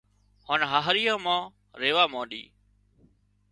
هانَ هاهريان مان ريوا مانڏي